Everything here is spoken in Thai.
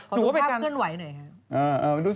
ขอดูภาพเพื่อนไหวหน่อยค่ะ